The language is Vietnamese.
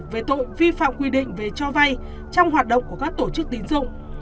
về tội vi phạm quy định về cho vay trong hoạt động của các tổ chức tín dụng